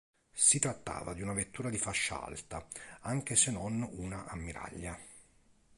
Si trattava di una vettura di fascia alta, anche se non una ammiraglia.